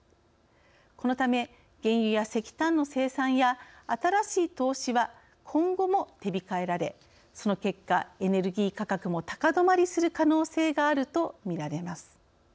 このため原油や石炭の生産や新しい投資は今後も手控えられその結果、エネルギー価格も高止まりする可能性があるとみられます。